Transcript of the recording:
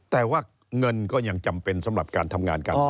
แต่ว่าเงินก็ยังจำเป็นสำหรับการทำงานกัน